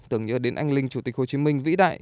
tưởng nhớ đến anh linh chủ tịch hồ chí minh vĩ đại